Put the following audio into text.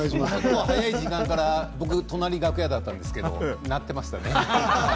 早い時間から、僕隣、楽屋だったんですけど鳴ってましたね。